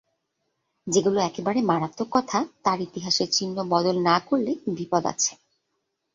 যেগুলো একেবারে মারাত্মক কথা তার ইতিহাসের চিহ্ন বদল না করলে বিপদ আছে।